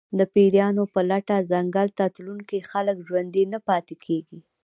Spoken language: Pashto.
د پېریانو په لټه ځنګل ته تلونکي خلک ژوندي نه پاتې کېږي.